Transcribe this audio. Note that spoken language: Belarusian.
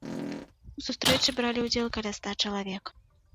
У сустрэчы бралі ўдзел каля ста чалавек.